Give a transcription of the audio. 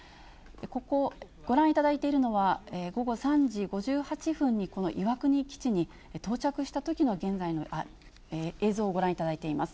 ここ、ご覧いただいているのは、午後３時５８分に、この岩国基地に到着したときの映像をご覧いただいています。